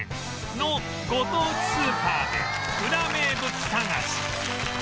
のご当地スーパーでウラ名物探し